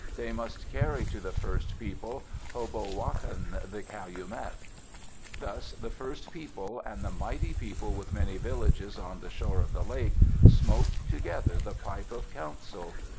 They must carry to the First People Hobowakan, the calumet." Thus the First People and the mighty people with many villages on the shore of the lake smoked together the pipe of council.